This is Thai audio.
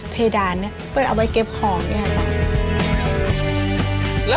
เพดานเนี่ยเปิดเอาไว้เก็บของเนี่ยค่ะ